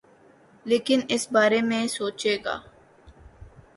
لیکن اس بارے میں سوچے گا۔